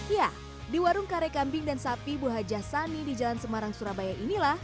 ya di warung kare kambing dan sapi buhajasani di jalan semarang surabaya inilah